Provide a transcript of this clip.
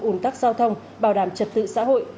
ủn tắc giao thông bảo đảm trật tự xã hội